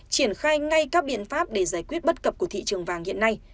triển khai ngay các biện pháp để giải quyết bất cập của thị trường vàng hiện nay